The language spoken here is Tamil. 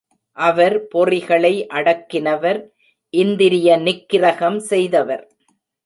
அவர் பொறிகளை அடக்கினவர் இந்திரிய நிக்கிரகம் செய்தவர்.